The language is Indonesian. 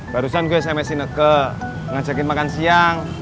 barusan gua sms in nega ngajakin makan siang